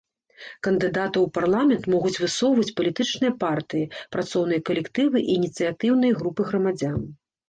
Кандыдатаў у парламент могуць высоўваць палітычныя партыі, працоўныя калектывы і ініцыятыўныя групы грамадзян.